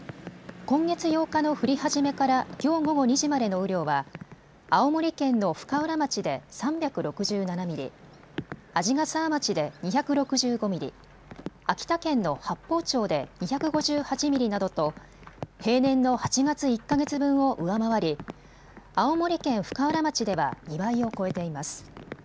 今月８日の降り始めからきょう午後２時までの雨量は青森県の深浦町で３６７ミリ、鰺ヶ沢町で２６５ミリ、秋田県の八峰町で２５８ミリなどと平年の８月１か月分を上回り青森県深浦町では２倍を超えています。